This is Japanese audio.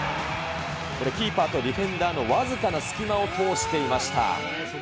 これ、キーパーとディフェンダーの僅かな隙間を通していました。